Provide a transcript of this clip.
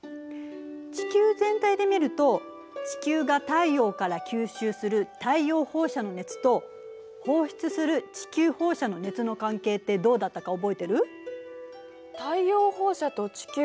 地球全体で見ると地球が太陽から吸収する「太陽放射の熱」と放出する「地球放射」の熱の関係ってどうだったか覚えてる？